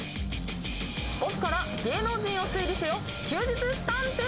『オフから芸能人を推理せよ休日探偵』